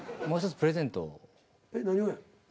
もう１つプレゼント